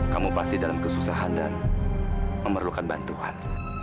kamu pasti dalam kesusahan dan memerlukan bantuan